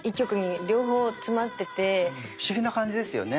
不思議な感じですよね。